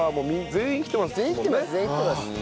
全員来てます。